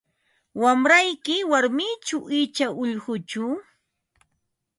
Wamrayki warmichu icha ullquchu?